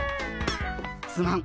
すまん。